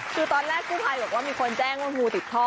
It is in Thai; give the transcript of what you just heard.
คือตอนแรกกู้ภัยบอกว่ามีคนแจ้งว่างูติดท่อ